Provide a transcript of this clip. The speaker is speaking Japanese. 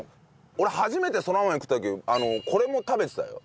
俺初めてそら豆食った時これも食べてたよ。